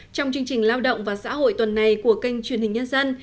trong chương trình lao động và xã hội tuần này của kênh truyền hình nhân dân